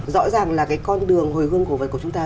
rõ ràng là cái con đường hồi hương cổ vật của chúng ta